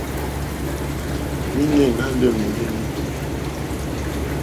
Òrzìɲɛ́ ná lê môlélí.